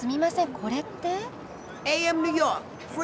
これって。